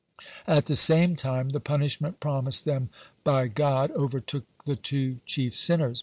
(135) At the same time the punishment promised them by God overtook the two chief sinners.